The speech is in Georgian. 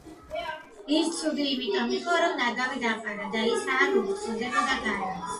ის ცუდი იმიტომ იყო რომ ნაგავი დაყარა ის არ უფთხილდება გარემოს